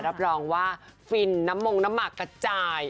รับรองว่าฟินน้ำมงน้ำหมักกระจาย